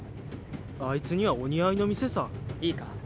あいつにはお似合いの店さいいか？